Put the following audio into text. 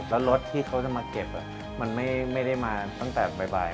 แล้วรถที่เขาจะมาเก็บมันไม่ได้มาตั้งแต่บ่าย